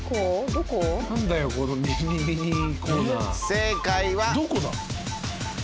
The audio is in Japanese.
正解は。